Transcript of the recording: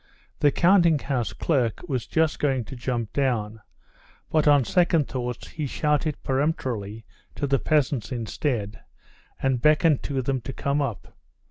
The counting house clerk was just going to jump down, but on second thoughts he shouted peremptorily to the peasants instead, and beckoned to them to come up.